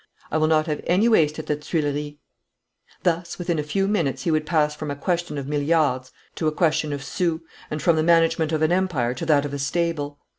I will not have any waste at the Tuileries.' Thus within a few minutes he would pass from a question of milliards to a question of sous, and from the management of a empire to that of a stable.